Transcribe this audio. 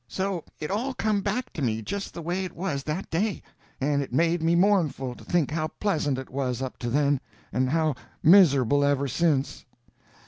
So it all come back to me just the way it was that day; and it made me mournful to think how pleasant it was up to then, and how miserable ever since.